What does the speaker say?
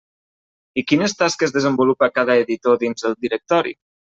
I quines tasques desenvolupa cada editor dins el directori?